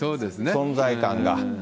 存在感が。